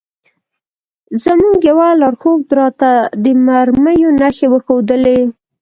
زموږ یوه لارښود راته د مرمیو نښې وښودلې.